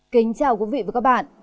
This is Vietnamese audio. kính chào quý vị và các bạn